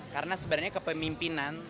karena sebenarnya kepemimpinan